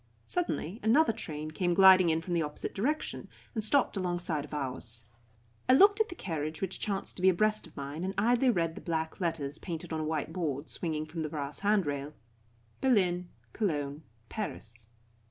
Suddenly another train came gliding in from the opposite direction, and stopped alongside of ours. I looked at the carriage which chanced to be abreast of mine, and idly read the black letters painted on a white board swinging from the brass handrail: "BERLIN COLOGNE PARIS."